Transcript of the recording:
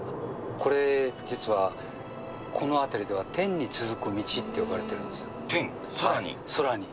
これ、実はこの辺りでは天に続く道って呼ばれてるんですよ。